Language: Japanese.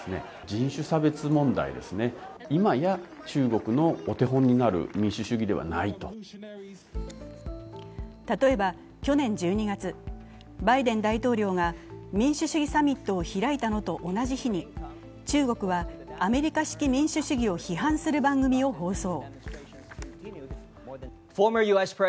国民のこうした意識について、専門家は例えば去年１２月、バイデン大統領が民主主義サミットを開いたのと同じ日に中国は、アメリカ式民主主義を批判する番組を放送。